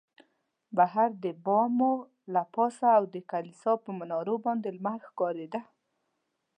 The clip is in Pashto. بهر د بامو له پاسه او د کلیسا پر منارو باندې لمر ښکارېده.